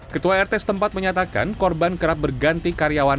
ketua rt setempat menyatakan korban kerap berganti karyawan